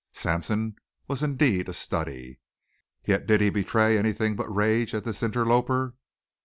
Sampson was indeed a study. Yet did he betray anything but rage at this interloper?